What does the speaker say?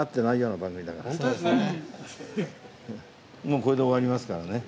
もうこれで終わりますからね。